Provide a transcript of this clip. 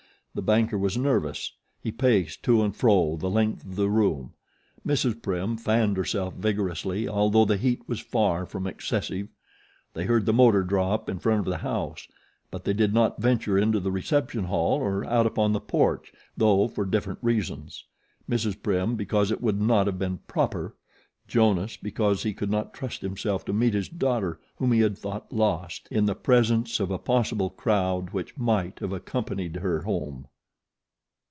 The banker was nervous. He paced to and fro the length of the room. Mrs. Prim fanned herself vigorously although the heat was far from excessive. They heard the motor draw up in front of the house; but they did not venture into the reception hall or out upon the porch, though for different reasons. Mrs. Prim because it would not have been PROPER; Jonas because he could not trust himself to meet his daughter, whom he had thought lost, in the presence of a possible crowd which might have accompanied her home.